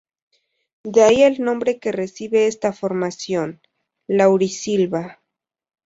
De ahí el nombre que recibe esta formación: laurisilva.